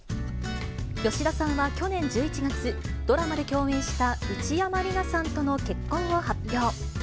吉田さんは去年１１月、ドラマで共演した内山理名さんとの結婚を発表。